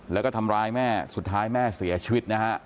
แล้วก็ทำร้ายแม่สุดท้ายแม่เสียชีวิตนะฮะ